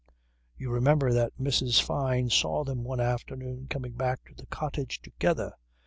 You remember that Mrs. Fyne saw them one afternoon coming back to the cottage together.